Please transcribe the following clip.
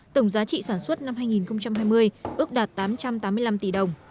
tổng giá trị sản xuất năm hai nghìn hai mươi ước đạt tám trăm tám mươi năm tỷ đồng